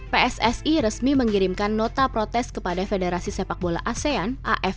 pssi resmi mengirimkan nota protes kepada federasi sepak bola asean aff